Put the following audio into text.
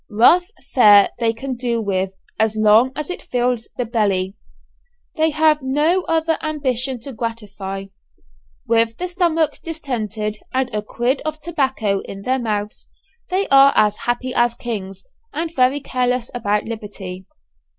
Rough fare they can do with, as long as it fills the belly. They have no other ambition to gratify. With the stomach distended and a quid of tobacco in their mouths, they are as happy as kings, and very careless about liberty.